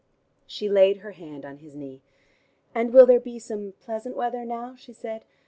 She laid her hand on his knee. "And will there be some pleasant weather now?" she said.